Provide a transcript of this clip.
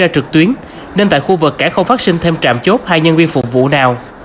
ra trực tuyến nên tại khu vực cảng không phát sinh thêm trạm chốt hay nhân viên phục vụ nào